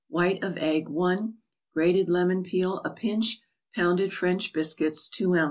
White of egg, Grated lemon peel, a pinch; pounded French biscuits, 2 oz.